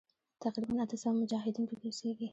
تقریباً اته سوه مجاهدین پکې اوسیږي.